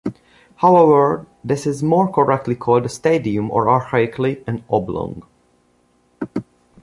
However, this is more correctly called a stadium or archaically, an oblong.